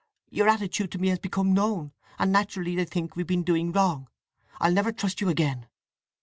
Your attitude to me has become known; and naturally they think we've been doing wrong! I'll never trust you again!"